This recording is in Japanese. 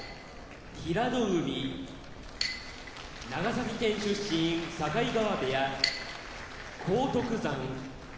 平戸海長崎県出身境川部屋荒篤山